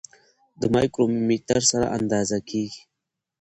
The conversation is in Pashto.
د مایکرومتر سره اندازه کیږي.